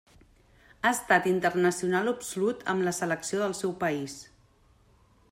Ha estat internacional absolut amb la selecció del seu país.